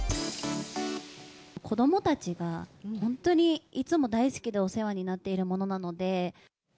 子どもたちが本当にいつも大好きでお世話になっているものなので。